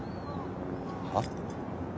はっ？